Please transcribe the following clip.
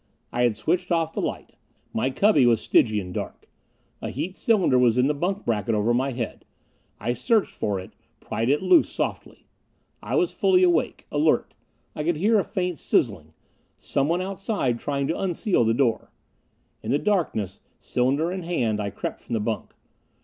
I had switched off the light; my cubby was Stygian dark. A heat cylinder was in the bunk bracket over my head; I searched for it, pried it loose softly. I was fully awake. Alert. I could hear a faint sizzling someone outside trying to unseal the door. In the darkness, cylinder in hand, I crept from the bunk.